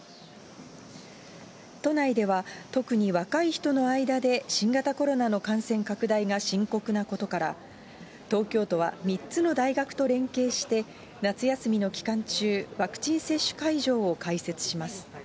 都内では、特に若い人の間で新型コロナの感染拡大が深刻なことから、東京都は３つの大学と連携して、夏休みの期間中、ワクチン接種会場を開設します。